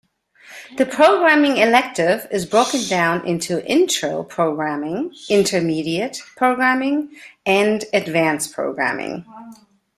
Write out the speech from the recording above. The Programming elective is broken down into Intro Programming, Intermediate Programming, and Advanced Programming.